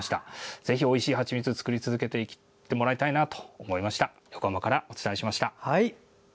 ぜひおいしい蜂蜜を作り続けていってもらいたいなと思います。